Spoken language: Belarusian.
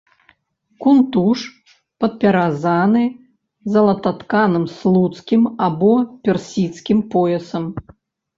Кунтуш падпяразаны залататканым слуцкім або персідскім поясам.